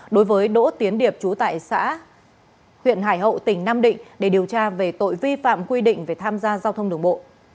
đối với đỗ tiến điệp chú tại xã huyện hải hậu tỉnh nam định để điều tra về tội vi phạm quy định về tham gia giao thông đường bộ